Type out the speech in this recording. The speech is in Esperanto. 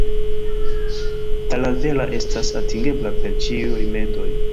Talavera estas atingebla per ĉiuj rimedoj.